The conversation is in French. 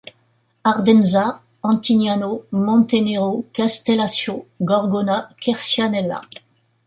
Ardenza, Antignano, Montenero, Castellaccio, Gorgona, Quercianella.